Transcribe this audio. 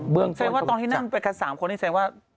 แสดงว่าตอนที่นั่งไปกัน๓คนนี่แสดงว่า